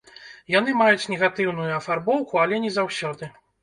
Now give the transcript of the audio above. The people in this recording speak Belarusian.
Яны маюць негатыўную афарбоўку, але не заўсёды.